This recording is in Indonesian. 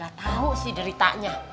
gak tau sih deritanya